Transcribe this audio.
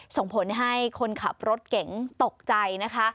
ส่งผลให้คนขับรถเก๋งตกใจนะคะ